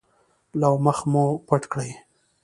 او مخ مې پټ کړي.